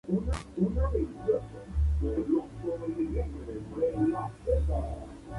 Jugaba como lateral derecho y su primer equipo fue Unión de Santa Fe.